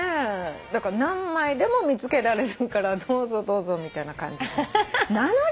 何枚でも見つけられるからどうぞどうぞみたいな感じ。